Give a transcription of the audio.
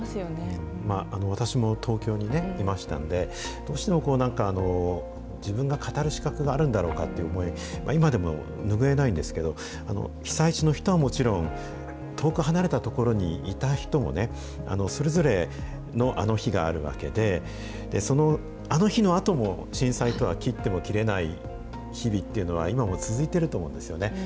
私も東京にいましたんで、どうしてもなんか自分が語る資格があるんだろうかという思い、今でも拭えないんですけど、被災地の人はもちろん、遠く離れた所にいた人もね、それぞれの、あの日があるわけで、あの日のあとも、震災とは切っても切れない日々というのは、今も続いてると思うんですよね。